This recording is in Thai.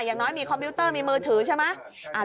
อย่างน้อยมีคอมพิวเตอร์มีมือถือใช่ไหม